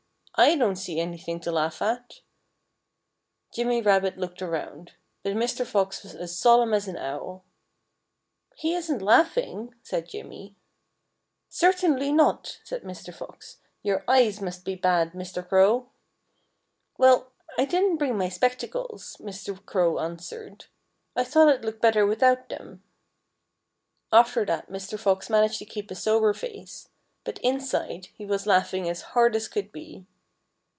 "I don't see anything to laugh at." Jimmy Rabbit looked around. But Mr. Fox was as solemn as an owl. "He isn't laughing," said Jimmy. "Certainly not!" said Mr. Fox. "Your eyes must be bad, Mr. Crow." "Well, I didn't bring my spectacles," Mr. Crow answered. "I thought I'd look better without them." After that Mr. Fox managed to keep a sober face. But inside he was laughing as hard as could be.